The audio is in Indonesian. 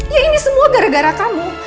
ya ini semua gara gara kamu